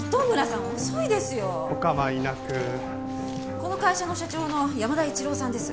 この会社の社長の山田一郎さんです。